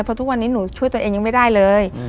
เพราะทุกวันนี้หนูช่วยตัวเองยังไม่ได้เลย